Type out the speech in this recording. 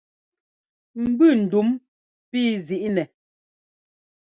Mbʉ ndúm píi zǐi nɛ.